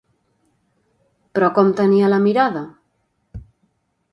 Però com tenia la mirada?